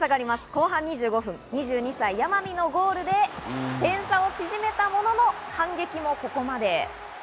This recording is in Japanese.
後半２５分、２２歳・山見のゴールで点差を縮めたものの、反撃もここまで。